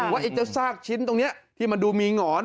ไอ้เจ้าซากชิ้นตรงนี้ที่มันดูมีหงอน